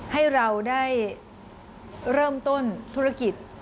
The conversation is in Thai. ให้เราได้เริ่มต้นธุรกิจ